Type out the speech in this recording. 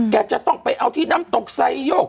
จะต้องไปเอาที่น้ำตกไซโยก